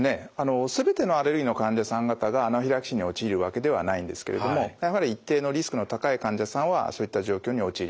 全てのアレルギーの患者さん方がアナフィラキシーに陥るわけではないんですけれどもやはり一定のリスクの高い患者さんはそういった状況に陥ります。